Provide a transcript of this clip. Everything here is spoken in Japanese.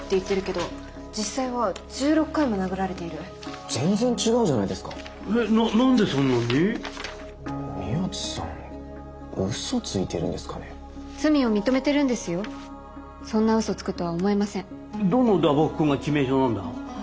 どの打撲痕が致命傷なんだ？